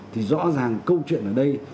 thì rõ ràng câu chuyện ở đây